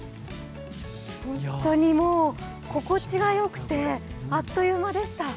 本当に心地がよくてあっという間でした。